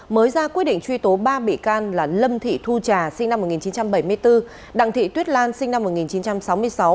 mới ra quyết định truy tố ba bị can là lâm thị thu trà sinh năm một nghìn chín trăm bảy mươi bốn đặng thị tuyết lan sinh năm một nghìn chín trăm sáu mươi sáu